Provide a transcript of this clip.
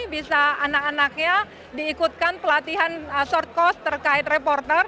bisa anak anaknya diikutkan pelatihan short course terkait reporter